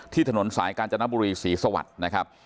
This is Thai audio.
ถนนสายกาญจนบุรีศรีสวัสดิ์นะครับ